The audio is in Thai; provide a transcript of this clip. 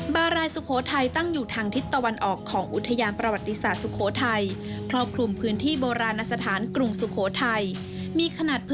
บารายสุโฆไทตั้งอยู่ทางทิศตะวันออกของอุทยาณประวัติศาสตร์สุโฆไท